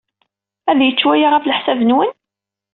Ad yečč waya, ɣef leḥsab-nwen?